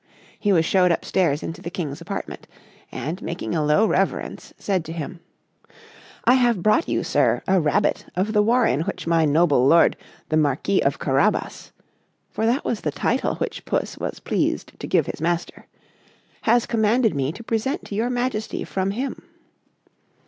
He was shewed up stairs into the King's apartment, and, making a low reverence, said to him: "I have brought you, sir, a rabbit of the warren which my noble lord the Marquis of Carabas" (for that was the title which Puss was pleased to give his master) "has commanded me to present to your Majesty from him."